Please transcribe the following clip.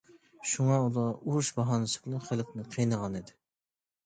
شۇڭا ئۇلار ئۇرۇش باھانىسى بىلەن خەلقنى قىينىغانىدى.